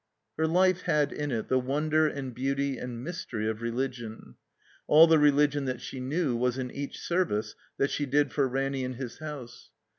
Her life had in it the wonder and beauty and mystery of religion. All the religion that she knew was in each service that she did for Ranny in his house.